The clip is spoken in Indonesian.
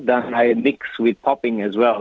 dan saya menggabungkan dengan topeng juga